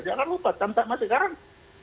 jangan lupa tantama sekarang